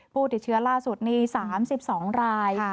ผู้ติดเชื้อล่าสุดนี้๓๒ราย